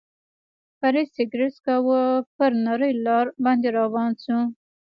فرید سګرېټ څکاوه، پر نرۍ لار باندې روان شو.